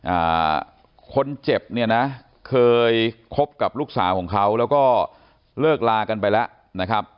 อ่าคนเจ็บเนี่ยนะเคยคบกับลูกสาวของเขาแล้วก็เลิกลากันไปแล้วนะครับ